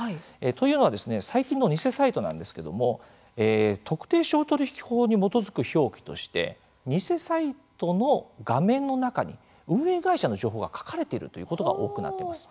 というのは最近の偽サイトなんですけれども特定商取引法に基づく表記として偽サイトの画面の中に運営会社の情報が書かれているということが多くなっています。